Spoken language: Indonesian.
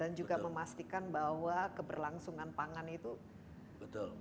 dan juga memastikan bahwa keberlangsungan pangan itu tetap terjaga